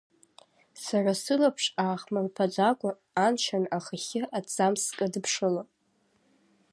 Сара сылаԥш аахмырԥаӡакәа аншьан ахахьы аҭӡамц скыдыԥшылон.